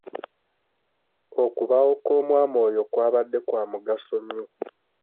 Okubaawo kw'omwami oyo kwabadde kwa mugaso nnyo.